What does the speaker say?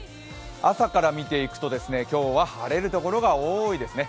朝から見ていきますと今日は晴れるところが多いですね。